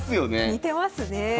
似てますね。